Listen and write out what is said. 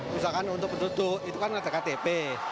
misalkan untuk penduduk itu kan ada ktp